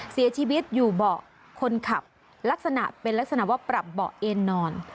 เสียชีวิตอยู่เบาะคนขับลักษณะเป็นลักษณะว่าปรับเบาะเอ็นนอน